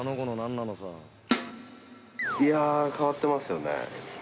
いやー、変わってますよね。